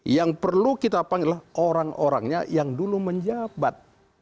yang perlu kita panggil adalah orang orangnya yang dulu menjabat